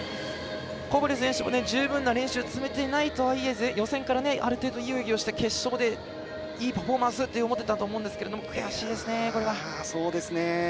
小堀選手も十分な練習を積めていないとはいえ予選からある程度決勝で、いいパフォーマンスって思っていたと思うんですけど悔しいですね、これは。